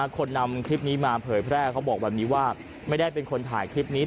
คนนำคลิปนี้มาเผยแพร่เขาบอกแบบนี้ว่าไม่ได้เป็นคนถ่ายคลิปนี้